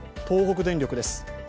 東北電力です。